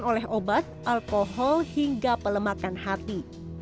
oleh obat alkohol hingga pelemakan hati